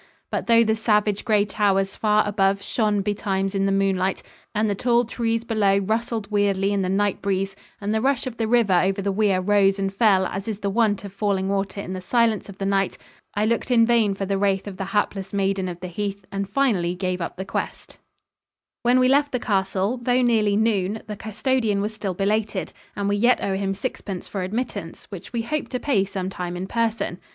But though the savage gray towers far above shone betimes in the moonlight and the tall trees below rustled weirdly in the night breeze and the rush of the river over the weir rose and fell as is the wont of falling water in the silence of the night, I looked in vain for the wraith of the hapless maiden of the heath and finally gave up the quest." [Illustration: LUDLOW CASTLE, THE KEEP AND ENTRANCE.] When we left the castle, though nearly noon, the custodian was still belated, and we yet owe him sixpence for admittance, which we hope to pay some time in person.